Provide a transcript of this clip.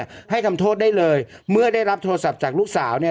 ให้ทำโทษได้เลยเมื่อได้รับโทรศัพท์จากลูกสาวเนี่ย